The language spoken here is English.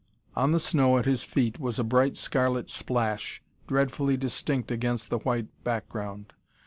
On the snow at his feet was a bright, scarlet splash, dreadfully distinct against the white background.